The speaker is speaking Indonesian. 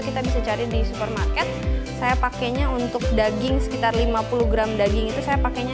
kita bisa cari di supermarket saya pakainya untuk daging sekitar lima puluh gram daging itu saya pakainya